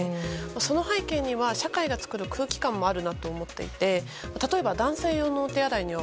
その背景には社会が作る空気感もあるなと思っていて例えば男性用のお手洗いには